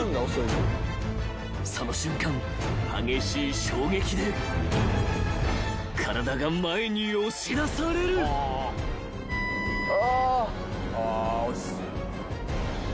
［その瞬間激しい衝撃で体が前に押し出される］あ。